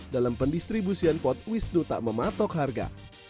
dalam pendistribusian pot wisnu tak mematok harga